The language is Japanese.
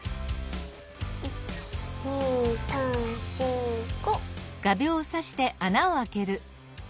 １２３４５。